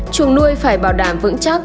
chuồng nuôi phải bảo đảm vững chắc sạch sẽ